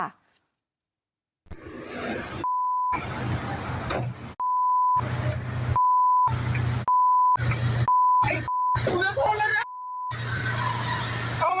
ไอ้ผมจะโทษแล้วนะ